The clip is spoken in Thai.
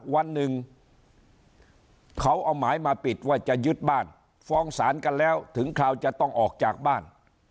วันหนึ่งเขาเอาหมายมาปิดว่าจะยึดบ้านฟ้องศาลกันแล้วถึงคราวจะต้องออกจากบ้าน